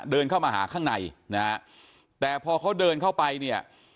เดินเข้ามาหาข้างในนะฮะแต่พอเขาเดินเข้าไปเนี่ย